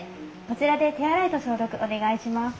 こちらで手洗いと消毒お願いします。